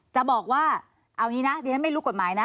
จะบอกว่าเอางี้นะดิฉันไม่รู้กฎหมายนะ